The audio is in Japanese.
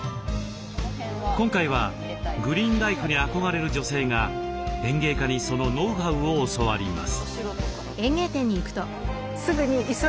今回はグリーンライフに憧れる女性が園芸家にそのノウハウを教わります。